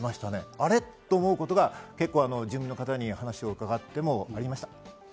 あれ？と思うことが住民の方に話を伺ってもありました。